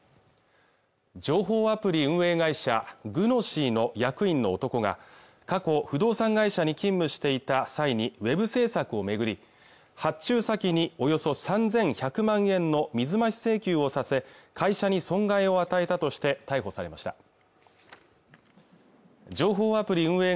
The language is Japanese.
情報アプリ運営会社グノシーの役員の男が過去不動産会社に勤務していた際にウェブ制作をめぐり発注先におよそ３１００万円の水増し請求をさせ会社に損害を与えたとして逮捕されました情報アプリ運営